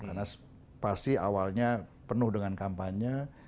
karena pasti awalnya penuh dengan kampanye